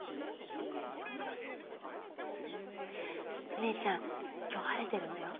お姉ちゃん今日晴れてるんだよ。